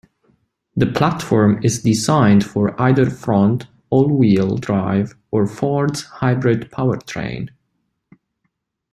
The platform is designed for either front, all-wheel drive or Ford's hybrid powertrain.